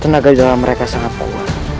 tenaga di dalam mereka sangat kuat